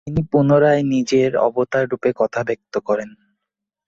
তিনি পুনরায় নিজের অবতাররূপের কথা ব্যক্ত করেন।